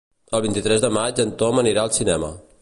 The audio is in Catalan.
El vint-i-tres de maig en Tom anirà al cinema.